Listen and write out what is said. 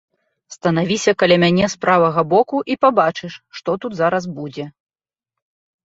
Станавіся каля мяне з правага боку і пабачыш, што тут зараз будзе.